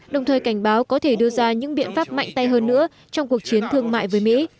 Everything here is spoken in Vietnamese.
đồng thời cảnh báo có thể đưa ra những biện pháp mạnh tay hơn nữa trong cuộc chiến thương mại với mỹ